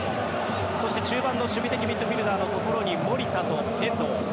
そして中盤の守備的ミッドフィールダーのところに守田と遠藤。